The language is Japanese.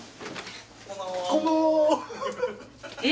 え？